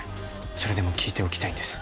それでも聞いておきたいんです。